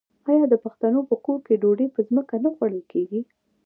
آیا د پښتنو په کور کې ډوډۍ په ځمکه نه خوړل کیږي؟